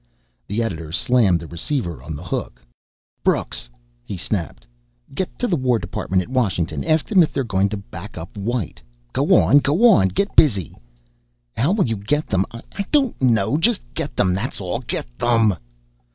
The editor slammed the receiver on the hook. "Brooks," he snapped, "get the War Department at Washington. Ask them if they're going to back up White. Go on, go on. Get busy.... How will you get them? I don't know. Just get them, that's all. Get them!"